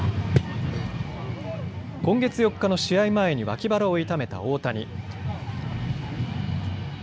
今月４日の試合前に脇腹を痛めた大谷。